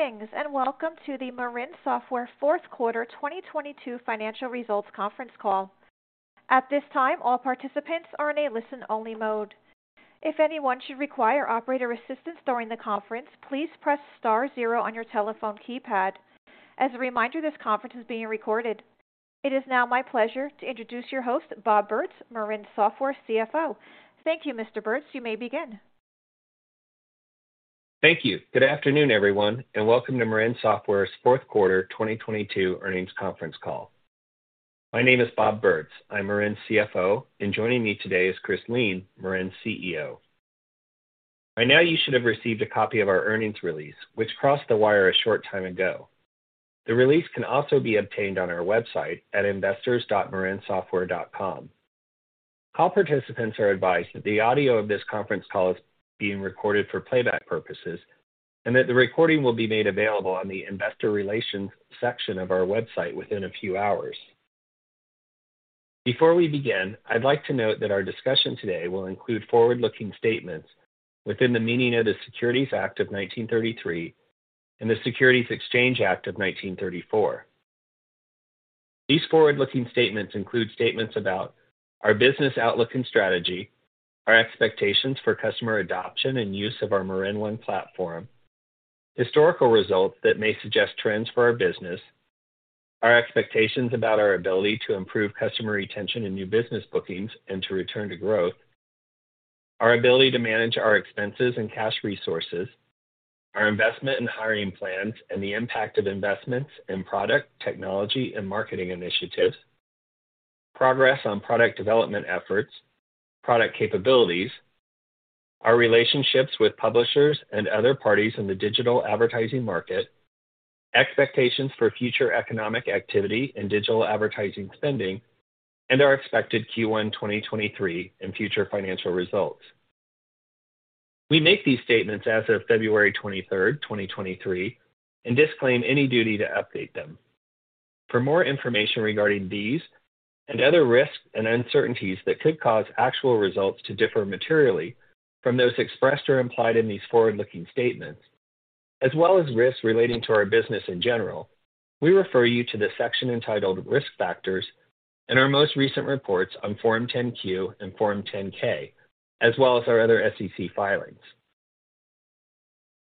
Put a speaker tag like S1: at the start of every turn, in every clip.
S1: Greetings, and welcome to the Marin Software fourth quarter 2022 financial results conference call. At this time, all participants are in a listen-only mode. If anyone should require operator assistance during the conference, please press star zero on your telephone keypad. As a reminder, this conference is being recorded. It is now my pleasure to introduce your host, Bob Bertz, Marin Software CFO. Thank you, Mr. Bertz. You may begin.
S2: Thank you. Good afternoon, everyone, and welcome to Marin Software's fourth quarter 2022 earnings conference call. My name is Bob Bertz. I'm Marin's CFO, and joining me today is Chris Lien, Marin's CEO. By now you should have received a copy of our earnings release, which crossed the wire a short time ago. The release can also be obtained on our website at investors.marinsoftware.com. All participants are advised that the audio of this conference call is being recorded for playback purposes and that the recording will be made available on the investor relations section of our website within a few hours. Before we begin, I'd like to note that our discussion today will include forward-looking statements within the meaning of the Securities Act of 1933 and the Securities Exchange Act of 1934. These forward-looking statements include statements about our business outlook and strategy, our expectations for customer adoption and use of our MarinOne platform, historical results that may suggest trends for our business, our expectations about our ability to improve customer retention and new business bookings and to return to growth, our ability to manage our expenses and cash resources, our investment and hiring plans, and the impact of investments in product, technology, and marketing initiatives, progress on product development efforts, product capabilities, our relationships with publishers and other parties in the digital advertising market, expectations for future economic activity and digital advertising spending, and our expected Q1 2023 and future financial results. We make these statements as of February 23rd, 2023, and disclaim any duty to update them. For more information regarding these and other risks and uncertainties that could cause actual results to differ materially from those expressed or implied in these forward-looking statements, as well as risks relating to our business in general, we refer you to the section entitled Risk Factors in our most recent reports on Form 10-Q and Form 10-K, as well as our other SEC filings.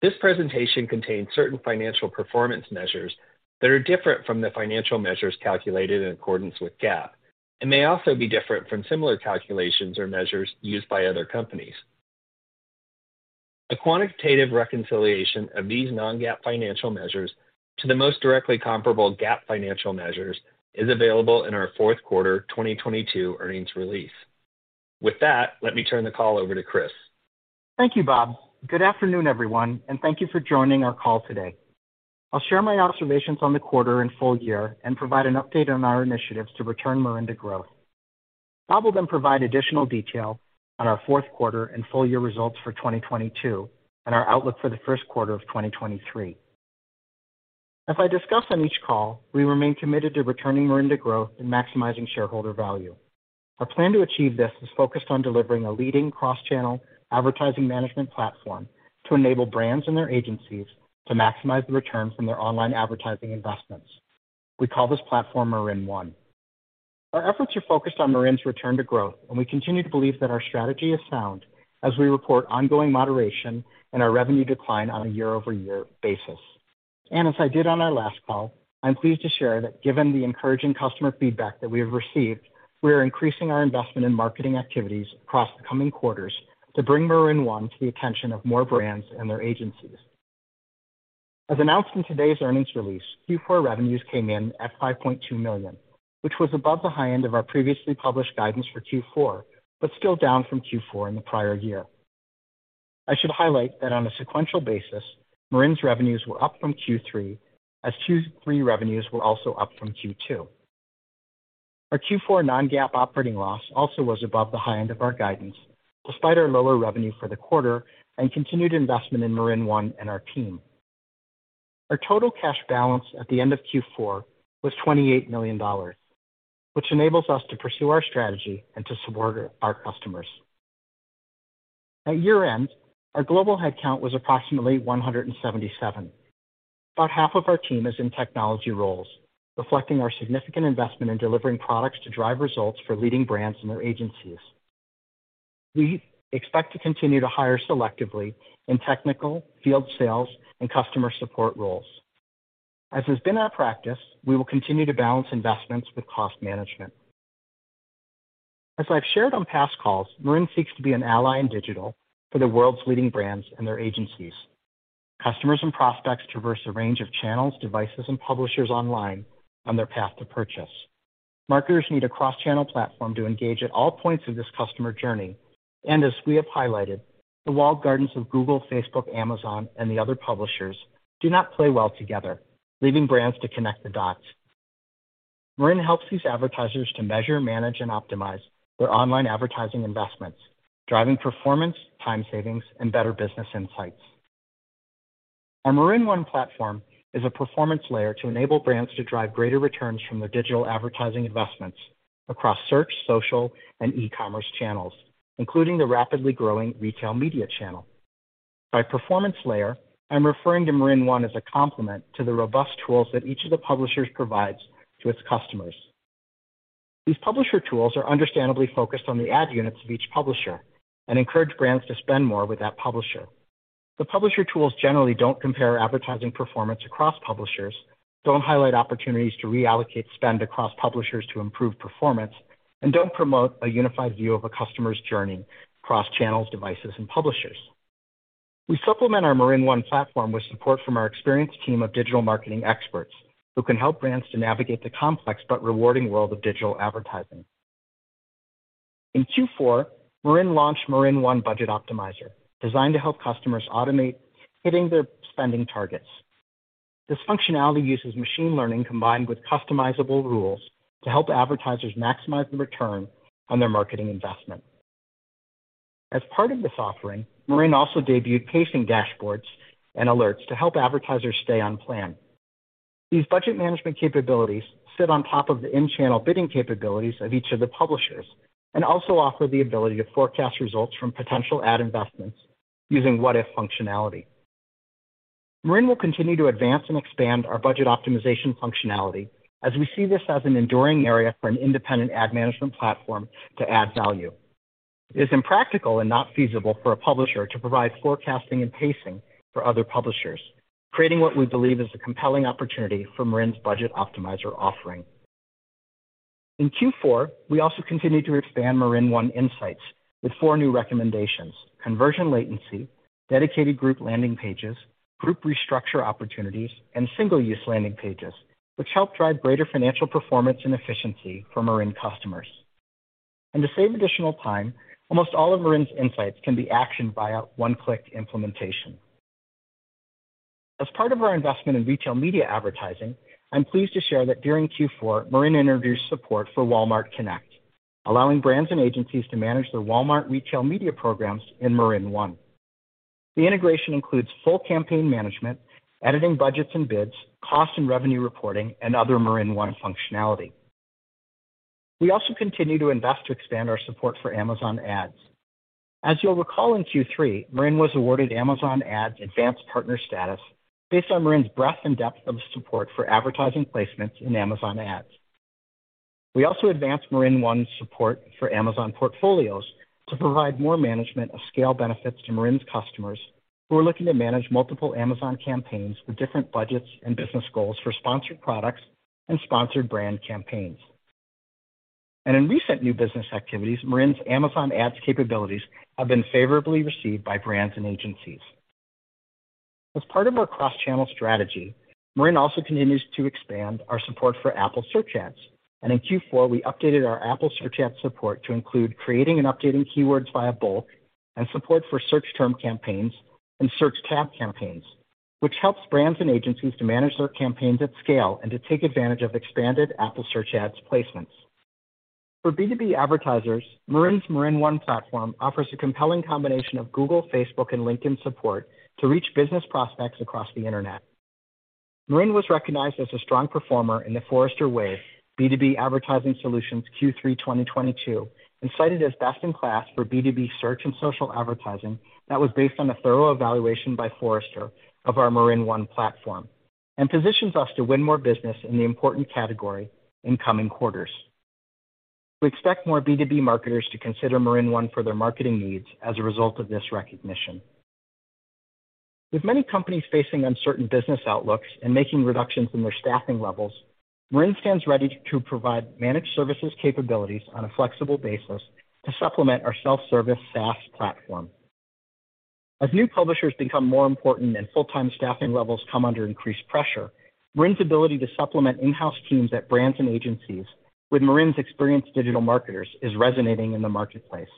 S2: This presentation contains certain financial performance measures that are different from the financial measures calculated in accordance with GAAP and may also be different from similar calculations or measures used by other companies. A quantitative reconciliation of these non-GAAP financial measures to the most directly comparable GAAP financial measures is available in our fourth quarter 2022 earnings release. With that, let me turn the call over to Chris.
S3: Thank you, Bob. Good afternoon, everyone, thank you for joining our call today. I'll share my observations on the quarter and full year and provide an update on our initiatives to return Marin to growth. Bob will then provide additional detail on our fourth quarter and full year results for 2022 and our outlook for the first quarter of 2023. As I discussed on each call, we remain committed to returning Marin to growth and maximizing shareholder value. Our plan to achieve this is focused on delivering a leading cross-channel advertising management platform to enable brands and their agencies to maximize the return from their online advertising investments. We call this platform MarinOne. Our efforts are focused on Marin's return to growth, and we continue to believe that our strategy is sound as we report ongoing moderation and our revenue decline on a year-over-year basis. As I did on our last call, I'm pleased to share that given the encouraging customer feedback that we have received, we are increasing our investment in marketing activities across the coming quarters to bring MarinOne to the attention of more brands and their agencies. As announced in today's earnings release, Q4 revenues came in at $5.2 million, which was above the high end of our previously published guidance for Q4, but still down from Q4 in the prior year. I should highlight that on a sequential basis, Marin's revenues were up from Q3, as Q3 revenues were also up from Q2. Our Q4 non-GAAP operating loss also was above the high end of our guidance, despite our lower revenue for the quarter and continued investment in MarinOne and our team. Our total cash balance at the end of Q4 was $28 million, which enables us to pursue our strategy and to support our customers. At year-end, our global headcount was approximately 177. About half of our team is in technology roles, reflecting our significant investment in delivering products to drive results for leading brands and their agencies. We expect to continue to hire selectively in technical, field sales, and customer support roles. As has been our practice, we will continue to balance investments with cost management. As I've shared on past calls, Marin seeks to be an ally in digital for the world's leading brands and their agencies. Customers and prospects traverse a range of channels, devices, and publishers online on their path to purchase. Marketers need a cross-channel platform to engage at all points of this customer journey. As we have highlighted, the walled gardens of Google, Facebook, Amazon, and the other publishers do not play well together, leaving brands to connect the dots. Marin helps these advertisers to measure, manage, and optimize their online advertising investments, driving performance, time savings, and better business insights. Our MarinOne platform is a performance layer to enable brands to drive greater returns from their digital advertising investments. Across search, social, and e-commerce channels, including the rapidly growing retail media channel. By performance layer, I'm referring to MarinOne as a complement to the robust tools that each of the publishers provides to its customers. These publisher tools are understandably focused on the ad units of each publisher and encourage brands to spend more with that publisher. The publisher tools generally don't compare advertising performance across publishers, don't highlight opportunities to reallocate spend across publishers to improve performance, and don't promote a unified view of a customer's journey across channels, devices, and publishers. We supplement our MarinOne platform with support from our experienced team of digital marketing experts who can help brands to navigate the complex but rewarding world of digital advertising. In Q4, Marin launched MarinOne Budget Optimizer, designed to help customers automate hitting their spending targets. This functionality uses machine learning combined with customizable rules to help advertisers maximize the return on their marketing investment. As part of this offering, Marin also debuted pacing dashboards and alerts to help advertisers stay on plan. These budget management capabilities sit on top of the in-channel bidding capabilities of each of the publishers and also offer the ability to forecast results from potential ad investments using what-if functionality. Marin will continue to advance and expand our budget optimization functionality as we see this as an enduring area for an independent ad management platform to add value. It is impractical and not feasible for a publisher to provide forecasting and pacing for other publishers, creating what we believe is a compelling opportunity for Marin's Budget Optimizer offering. In Q4, we also continued to expand MarinOne Insights with four new recommendations: conversion latency, dedicated group landing pages, group restructure opportunities, and single-use landing pages, which help drive greater financial performance and efficiency for Marin customers. To save additional time, almost all of Marin's insights can be actioned via one-click implementation. As part of our investment in retail media advertising, I'm pleased to share that during Q4, Marin introduced support for Walmart Connect, allowing brands and agencies to manage their Walmart retail media programs in MarinOne. The integration includes full campaign management, editing budgets and bids, cost and revenue reporting, and other MarinOne functionality. We also continue to invest to expand our support for Amazon Ads. As you'll recall, in Q3, Marin was awarded Amazon Ads Advanced Partner status based on Marin's breadth and depth of support for advertising placements in Amazon Ads. We also advanced MarinOne's support for Amazon Portfolios to provide more management of scale benefits to Marin's customers who are looking to manage multiple Amazon campaigns with different budgets and business goals for sponsored products and sponsored brand campaigns. In recent new business activities, Marin's Amazon Ads capabilities have been favorably received by brands and agencies. As part of our cross-channel strategy, Marin also continues to expand our support for Apple Search Ads. In Q4, we updated our Apple Search Ads support to include creating and updating keywords via bulk and support for search term campaigns and search tab campaigns, which helps brands and agencies to manage their campaigns at scale and to take advantage of expanded Apple Search Ads placements. For B2B advertisers, Marin's MarinOne platform offers a compelling combination of Google, Facebook, and LinkedIn support to reach business prospects across the Internet. Marin was recognized as a strong performer in The Forrester Wave B2B Advertising Solutions Q3 2022, and cited as best in class for B2B search and social advertising that was based on a thorough evaluation by Forrester of our MarinOne platform, and positions us to win more business in the important category in coming quarters. We expect more B2B marketers to consider MarinOne for their marketing needs as a result of this recognition. With many companies facing uncertain business outlooks and making reductions in their staffing levels, Marin stands ready to provide managed services capabilities on a flexible basis to supplement our self-service SaaS platform. As new publishers become more important and full-time staffing levels come under increased pressure, Marin's ability to supplement in-house teams at brands and agencies with Marin's experienced digital marketers is resonating in the marketplace.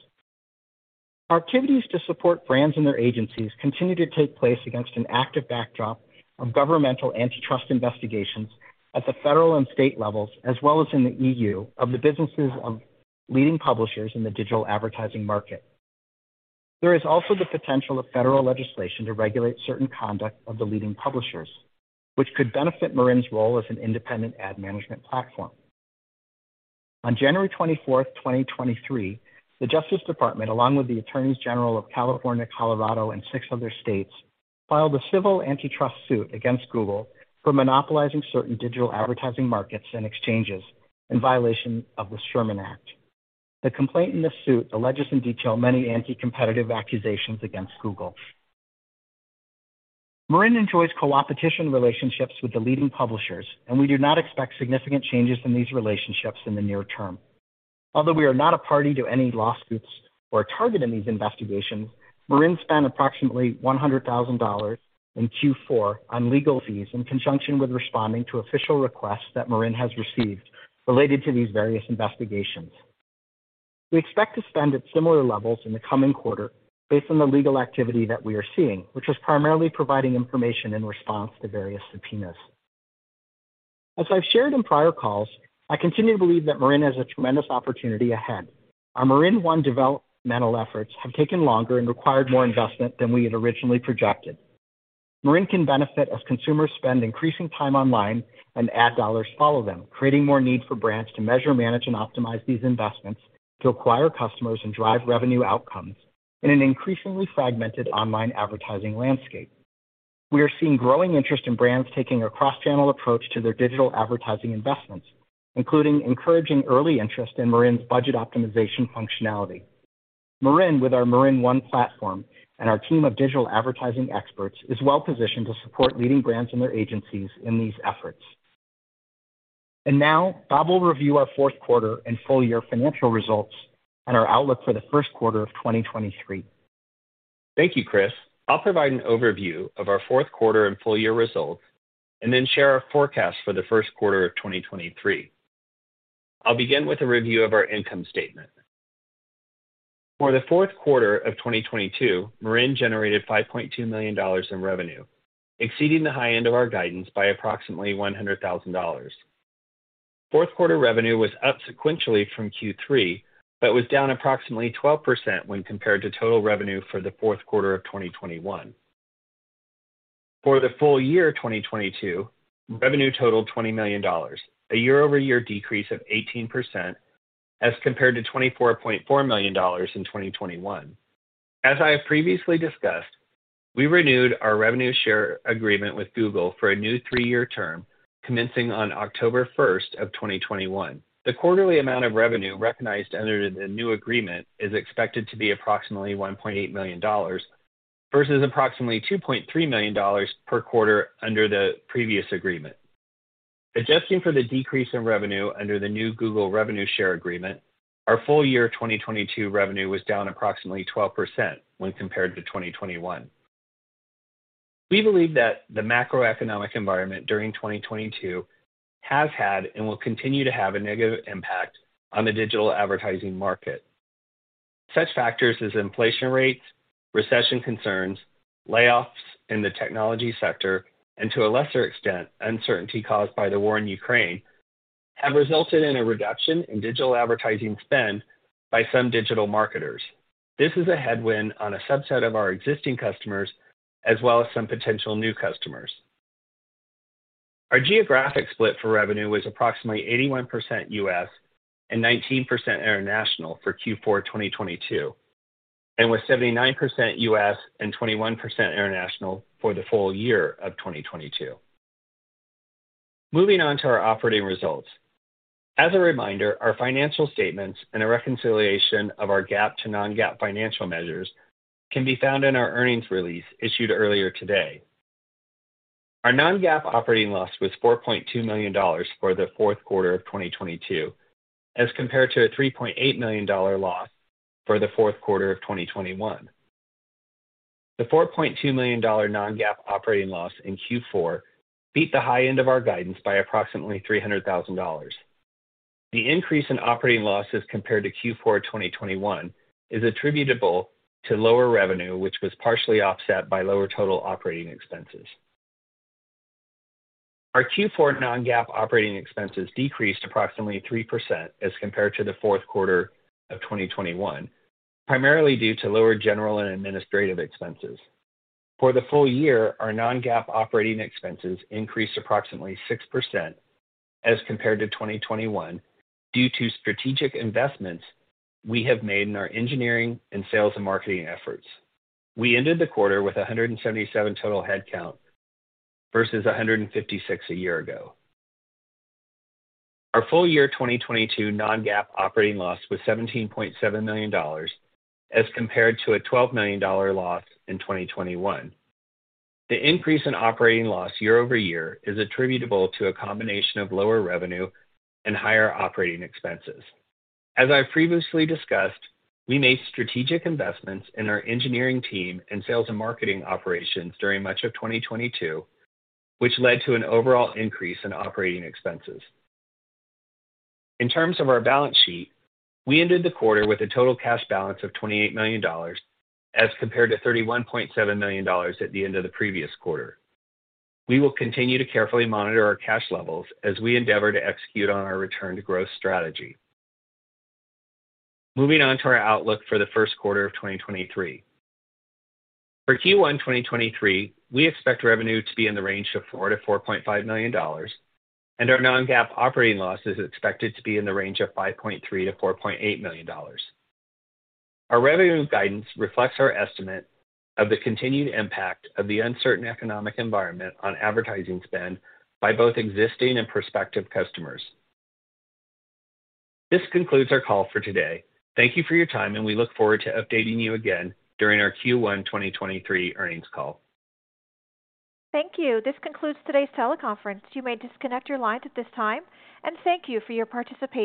S3: Our activities to support brands and their agencies continue to take place against an active backdrop of governmental antitrust investigations at the federal and state levels, as well as in the EU of the businesses of leading publishers in the digital advertising market. There is also the potential of federal legislation to regulate certain conduct of the leading publishers, which could benefit Marin's role as an independent ad management platform. On January twenty-fourth, twenty twenty-three, the Justice Department, along with the Attorneys General of California, Colorado, and 6 other states, filed a civil antitrust suit against Google for monopolizing certain digital advertising markets and exchanges in violation of the Sherman Act. The complaint in this suit alleges in detail many anti-competitive accusations against Google. Marin enjoys coopetition relationships with the leading publishers, and we do not expect significant changes in these relationships in the near term. Although we are not a party to any lawsuits or a target in these investigations, Marin spent approximately $100,000 in Q4 on legal fees in conjunction with responding to official requests that Marin has received related to these various investigations. We expect to spend at similar levels in the coming quarter based on the legal activity that we are seeing, which is primarily providing information in response to various subpoenas. As I've shared in prior calls, I continue to believe that Marin has a tremendous opportunity ahead. Our MarinOne developmental efforts have taken longer and required more investment than we had originally projected. Marin can benefit as consumers spend increasing time online and ad dollars follow them, creating more need for brands to measure, manage, and optimize these investments to acquire customers and drive revenue outcomes in an increasingly fragmented online advertising landscape. We are seeing growing interest in brands taking a cross-channel approach to their digital advertising investments, including encouraging early interest in Marin's budget optimization functionality. Marin, with our MarinOne platform and our team of digital advertising experts, is well-positioned to support leading brands and their agencies in these efforts. Now, Bob will review our fourth quarter and full year financial results and our outlook for the first quarter of 2023.
S2: Thank you, Chris. I'll provide an overview of our fourth quarter and full year results and then share our forecast for the first quarter of 2023. I'll begin with a review of our income statement. For the fourth quarter of 2022, Marin generated $5.2 million in revenue, exceeding the high end of our guidance by approximately $100,000. Fourth quarter revenue was up sequentially from Q3, but was down approximately 12% when compared to total revenue for the fourth quarter of 2021. For the full year 2022, revenue totaled $20 million, a year-over-year decrease of 18% as compared to $24.4 million in 2021. As I have previously discussed, we renewed our revenue share agreement with Google for a new three-year term commencing on October 1st of 2021. The quarterly amount of revenue recognized under the new agreement is expected to be approximately $1.8 million versus approximately $2.3 million per quarter under the previous agreement. Adjusting for the decrease in revenue under the new Google revenue share agreement, our full year 2022 revenue was down approximately 12% when compared to 2021. We believe that the macroeconomic environment during 2022 has had and will continue to have a negative impact on the digital advertising market. Such factors as inflation rates, recession concerns, layoffs in the technology sector, and to a lesser extent, uncertainty caused by the war in Ukraine, have resulted in a reduction in digital advertising spend by some digital marketers. This is a headwind on a subset of our existing customers as well as some potential new customers. Our geographic split for revenue was approximately 81% U.S. and 19% international for Q4 2022, and was 79% U.S. and 21% international for the full year of 2022. Moving on to our operating results. As a reminder, our financial statements and a reconciliation of our GAAP to non-GAAP financial measures can be found in our earnings release issued earlier today. Our non-GAAP operating loss was $4.2 million for the fourth quarter of 2022, as compared to a $3.8 million loss for the fourth quarter of 2021. The $4.2 million non-GAAP operating loss in Q4 beat the high end of our guidance by approximately $300,000. The increase in operating loss as compared to Q4 2021 is attributable to lower revenue, which was partially offset by lower total operating expenses. Our Q4 non-GAAP operating expenses decreased approximately 3% as compared to the fourth quarter of 2021, primarily due to lower general and administrative expenses. For the full year, our non-GAAP operating expenses increased approximately 6% as compared to 2021 due to strategic investments we have made in our engineering and sales and marketing efforts. We ended the quarter with 177 total head count versus 156 a year ago. Our full year 2022 non-GAAP operating loss was $17.7 million, as compared to a $12 million loss in 2021. The increase in operating loss year-over-year is attributable to a combination of lower revenue and higher operating expenses. As I previously discussed, we made strategic investments in our engineering team and sales and marketing operations during much of 2022, which led to an overall increase in operating expenses. In terms of our balance sheet, we ended the quarter with a total cash balance of $28 million, as compared to $31.7 million at the end of the previous quarter. We will continue to carefully monitor our cash levels as we endeavor to execute on our return to growth strategy. Moving on to our outlook for the first quarter of 2023. For Q1 2023, we expect revenue to be in the range of $4 million-$4.5 million, and our non-GAAP operating loss is expected to be in the range of $5.3 million-$4.8 million. Our revenue guidance reflects our estimate of the continued impact of the uncertain economic environment on advertising spend by both existing and prospective customers. This concludes our call for today. Thank you for your time, and we look forward to updating you again during our Q1 2023 earnings call.
S3: Thank you. This concludes today's teleconference. You may disconnect your lines at this time. Thank you for your participation.